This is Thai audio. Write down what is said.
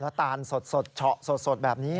ตาลสดเฉาะสดแบบนี้